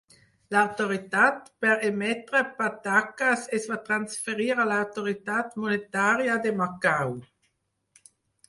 L'autoritat per emetre pataques es va transferir a l'autoritat monetària de Macau.